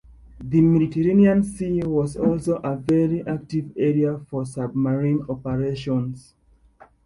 The Mediterranean Sea was also a very active area for submarine operations.